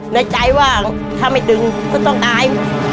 ในใจว่าถ้าไม่ตึงก็ต้องตาย